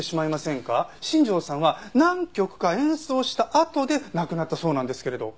新庄さんは何曲か演奏したあとで亡くなったそうなんですけれど。